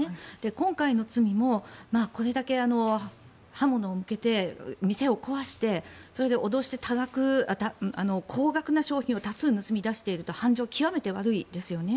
今回の罪もこれだけ刃物を向けて店を壊して脅して高額な商品を多数盗み出されていると犯情はものすごく悪いですよね。